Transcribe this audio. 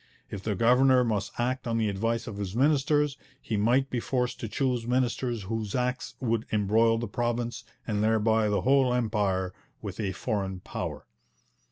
If the governor must act on the advice of his ministers, he might be forced to choose ministers whose acts would embroil the province, and thereby the whole Empire, with a foreign power.